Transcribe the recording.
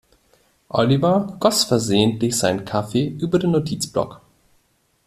Oliver goss versehentlich seinen Kaffee über den Notizblock.